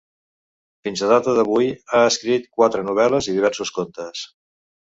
Fins a data d'avui, ha escrit quatre novel·les i diversos contes.